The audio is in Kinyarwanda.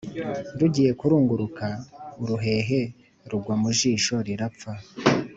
rugiye kurunguruka uruhehe rugwa mu jisho rirapfa.